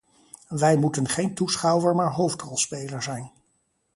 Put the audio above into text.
Wij moeten geen toeschouwer maar hoofdrolspeler zijn.